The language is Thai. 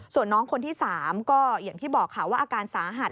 ส่วนน้องคนที่๓ก็อย่างที่บอกค่ะว่าอาการสาหัส